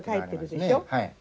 はい。